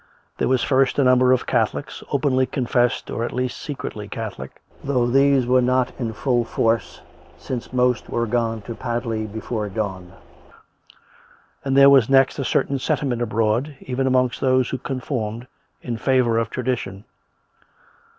There was fiiftj». number of Catholics, openly confessed or at least secretly Catholic, though these were not in full force since most were gone to Padley before dawn ; and there was next a certain sentiment abroad, even amongst those who con formed, in favour of tradition.